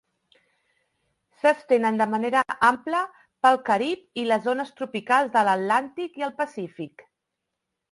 S'estenen de manera ampla pel Carib, i les zones tropicals de l'Atlàntic i el Pacífic.